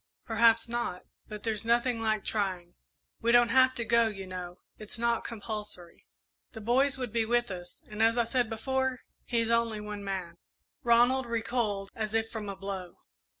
Perhaps not, but there's nothing like trying. We don't have to go, you know it's not compulsory. The boys would be with us, and, as I said before, he's only one man." Ronald recoiled as if from a blow.